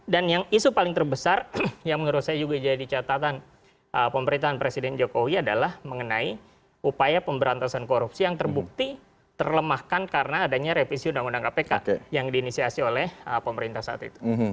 dan yang isu paling terbesar yang menurut saya juga jadi catatan pemerintahan presiden jokowi adalah mengenai upaya pemberantasan korupsi yang terbukti terlemahkan karena adanya revisi undang undang kpk yang diinisiasi oleh pemerintah saat itu